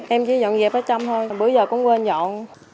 em chỉ dọn dẹp ở trong thôi bữa giờ cũng quên dọn